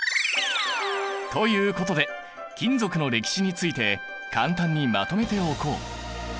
ということで金属の歴史について簡単にまとめておこう。